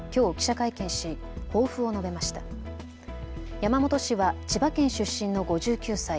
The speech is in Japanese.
山元氏は千葉県出身の５９歳。